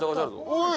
おい！